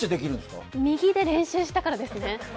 右で練習したからですね。